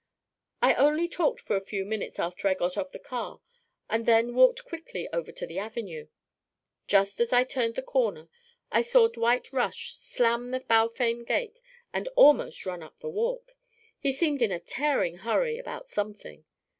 "I only talked for a few minutes after I got off the car and then walked quickly over to the avenue. Just as I turned the corner I saw Dwight Rush slam the Balfame gate and almost run up the walk. He seemed in a tearing hurry about something.